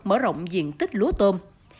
mở rộng diện tích lúa tôm